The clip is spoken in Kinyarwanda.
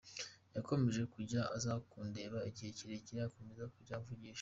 Yakomeje kujya aza kundeba igihe kirekire akomeza kujya amvugisha.